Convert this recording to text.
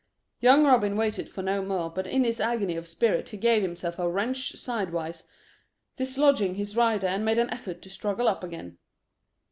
Young Robin waited for no more, but in his agony of spirit he gave himself a wrench sidewise, dislodging his rider, and made an effort to struggle up again.